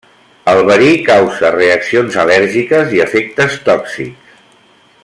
El verí causa reaccions al·lèrgiques i efectes tòxics.